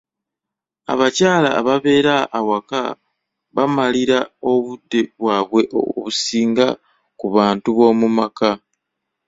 Abakyala ababeera awaka bamalira obudde bwabwe obusinga ku bantu b'omu maka.